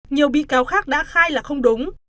nhiều bị cáo khác đã khai là không đúng